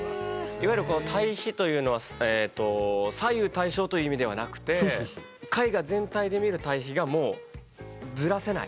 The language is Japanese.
いわゆるこの対比というのは左右対称という意味ではなくて絵画全体で見る対比がもうずらせない？